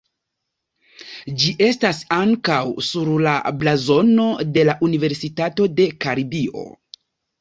Ĝi estas ankaŭ sur la blazono de la Universitato de Karibio.